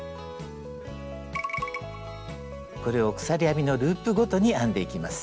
これを鎖編みのループごとに編んでいきます。